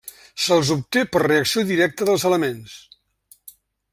Se'ls obté per reacció directa dels elements.